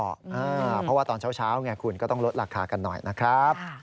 เพราะว่าตอนเช้าไงคุณก็ต้องลดราคากันหน่อยนะครับ